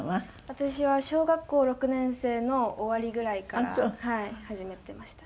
私は小学校６年生の終わりぐらいから始めてました。